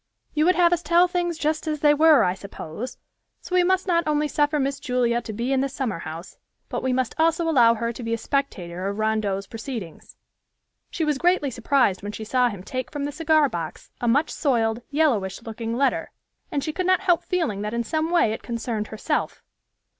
You would have us tell things just as they were, I suppose, so we must not only suffer Miss Julia to be in the summer house, but we must also allow her to be a spectator of Rondeau's proceedings. She was greatly surprised when she saw him take from the cigar box a much soiled, yellowish looking letter, and she could not help feeling that in some way it concerned herself.